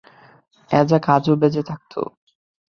অ্যাজাক আজও বেঁচে থাকতো।